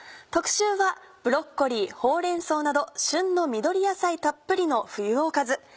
特集はブロッコリーほうれん草など旬の緑野菜たっぷりの冬おかず。